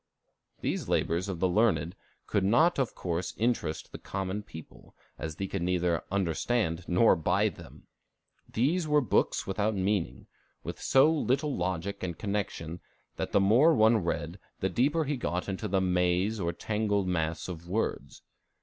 These labors of the learned could not of course interest the common people, as they could neither understand nor buy them. These were books without meaning, with so little logic and connection that the more one read, the deeper he got into the maze or tangled mass of words.